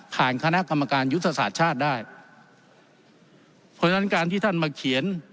คณะกรรมการยุทธศาสตร์ชาติได้เพราะฉะนั้นการที่ท่านมาเขียน